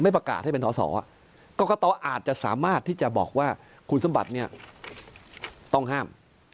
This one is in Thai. กรกเตอร์อาจจะสามารถที่จะบอกว่าคุณสมบัติต้องห้าม